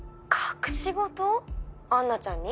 アンナちゃんに？